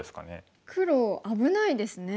黒危ないですね。